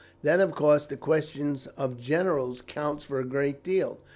Then, of course, the question of generals counts for a great deal.